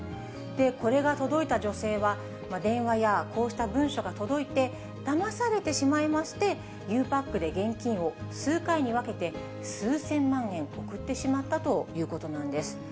これが届いた女性は、電話やこうした文書が届いてだまされてしまいまして、ゆうパックで現金を数回に分けて数千万円送ってしまったということなんです。